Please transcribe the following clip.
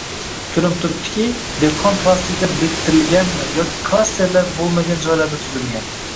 Ko'rinib turibdiki, dehqon klasterga biriktirilganmi yoki klasterlar bo'lmagan joylarda tuzilgan